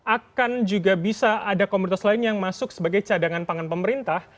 akan juga bisa ada komoditas lain yang masuk sebagai cadangan pangan pemerintah